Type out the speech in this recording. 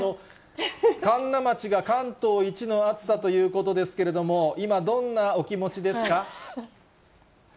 神流町が関東一の暑さということですけれども、今、どんなお気持ちですか。